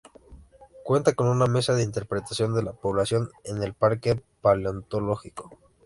Cuenta con una mesa de interpretación de la población, en el Parque Paleontológico.